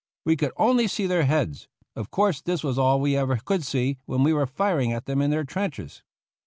We could only see their heads; of course this was all we ever could see when we were firing at them in their trenches.